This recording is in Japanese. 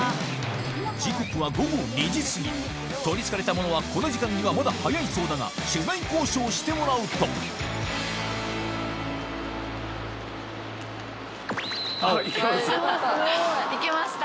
時刻は午後２時すぎ取り憑かれたものはこの時間にはまだ早いそうだが取材交渉してもらうとあっいけます？